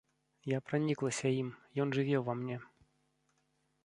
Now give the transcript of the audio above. Я праніклася ім, ён жыве ўва мне.